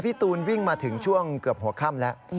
ตูนวิ่งมาถึงช่วงเกือบหัวค่ำแล้ว